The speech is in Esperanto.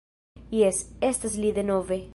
Jes, estas li denove